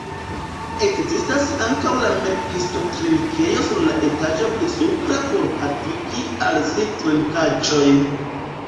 Ekzistas ankaŭ la Mephisto-trinkejo sur la etaĝo pli supra por havigi al si trinkaĵojn.